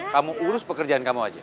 kamu urus pekerjaan kamu aja